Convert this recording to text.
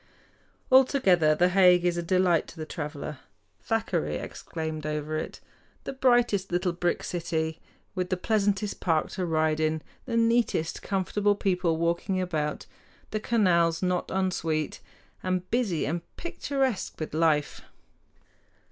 Altogether The Hague is a delight to the traveler. Thackeray exclaimed over it, "The brightest little brick city, with the pleasantest park to ride in, the neatest, comfortable people walking about, the canals not unsweet, and busy and picturesque with life!"